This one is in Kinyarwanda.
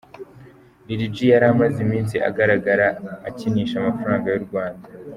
Lil G yaramaze iminsi agaragara akinisha amafaranga y' u Rwanda.